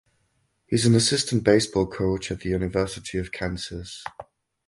He is an assistant baseball coach at the University of Kansas.